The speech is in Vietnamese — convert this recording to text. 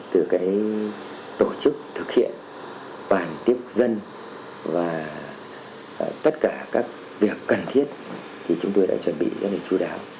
từ tổ chức thực hiện bản tiếp dân và tất cả các việc cần thiết thì chúng tôi đã chuẩn bị rất là chú đáo